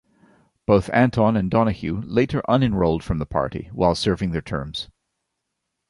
Both Anton and Donoghue later unenrolled from the party while serving their terms.